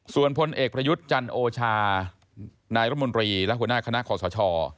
ส่วนพลเอกประยุทธ์จันโอชานายรมนตรีและหัวหน้าคณะขอสช